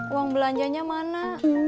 uang belanjanya mana